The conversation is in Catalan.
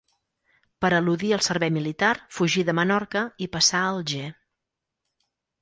Per eludir el servei militar, fugí de Menorca i passà a Alger.